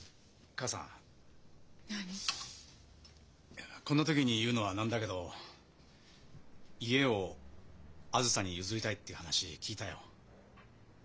いやこんな時に言うのは何だけど「家をあづさに譲りたい」って話聞いたよ。